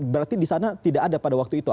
berarti di sana tidak ada pada waktunya